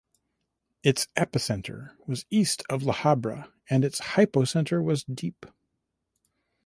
Its epicenter was east of La Habra and its hypocenter was deep.